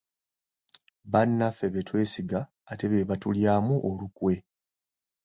Bannaffe be twesiga ate be batulyamu olukwe.